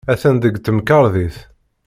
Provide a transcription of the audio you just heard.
Atan deg temkarḍit.